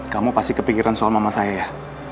kamu pasti kepikiran soal mama saya